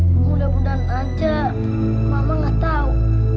mudah mudahan aja mama gak tau